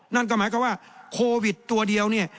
นั่นก็หมายความว่าโควิดตัวเดียวเนี่ย